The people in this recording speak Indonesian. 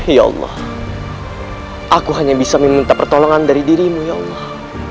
ya allah aku hanya bisa meminta pertolongan dari dirimu ya allah